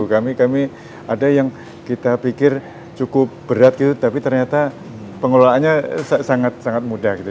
kami kami ada yang kita pikir cukup berat gitu tapi ternyata pengelolaannya sangat sangat mudah gitu